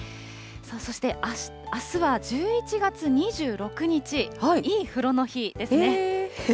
そしてあすは１１月２６日、いい風呂の日ですね。